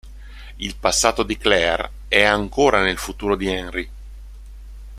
Il passato di Clare è ancora nel futuro di Henry.